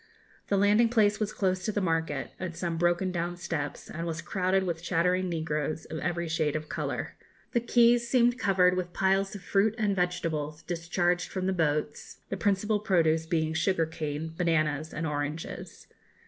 The landing place was close to the market, at some broken down steps, and was crowded with chattering negroes, of every shade of colour. The quays seemed covered with piles of fruit and vegetables, discharged from the boats, the principal produce being sugar cane, bananas, and oranges.